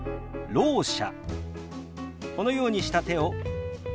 「ろう者」。